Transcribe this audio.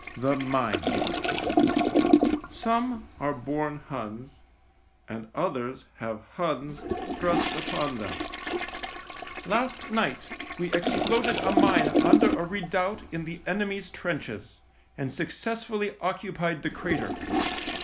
THE MINE SOME ARE BORN HUNS, AND OTHERS HAVE HUNS THRUST UPON THEM " Last night we exploded a mine under a redoubt in the enemy's trenches, and suc cessfully occupied the crater.